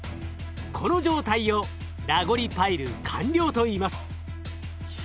この状態を「ラゴリパイル完了」といいます。